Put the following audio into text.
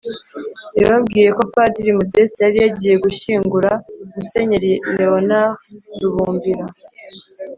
yababwiye ko padiri modeste yari yagiye gushyingura musenyeri léonard rubumbira